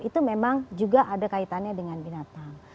itu memang juga ada kaitannya dengan binatang